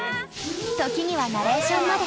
時にはナレーションまで。